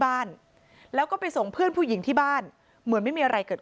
บ้านแล้วก็ไปส่งเพื่อนผู้หญิงที่บ้านเหมือนไม่มีอะไรเกิดขึ้น